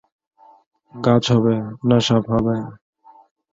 গাছ হবে, না সাপ হবে।